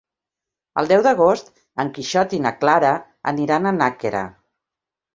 El deu d'agost en Quixot i na Clara aniran a Nàquera.